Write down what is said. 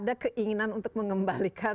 dan ada keinginan untuk menggabungkan